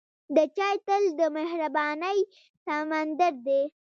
د چای تل د مهربانۍ سمندر دی.